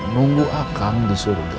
nunggu akang di surga